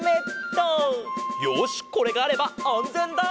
よしこれがあればあんぜんだ！